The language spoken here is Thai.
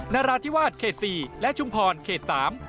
นาราธิวาสเขตสี่และชุมพรเขตสาม